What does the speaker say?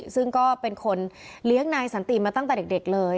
ซึ่งก็เป็นคนเลี้ยงนายสันติมาตั้งแต่เด็กเลย